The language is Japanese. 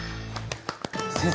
先生